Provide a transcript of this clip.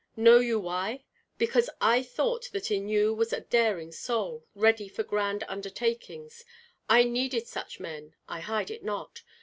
Know you why? Because I thought that in you was a daring soul, ready for grand undertakings. I needed such men, I hide it not.